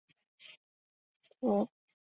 克莱埃布尔。